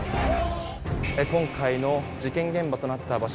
今回の事件現場となった場所です。